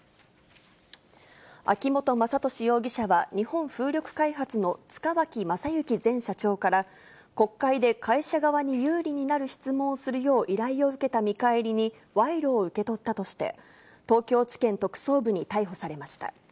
秋本真利容疑者は、日本風力開発の塚脇正幸前社長から、国会で会社側に有利になる質問をするよう依頼を受けた見返りに、賄賂を受け取ったとして、東京地検特捜部に逮捕されました。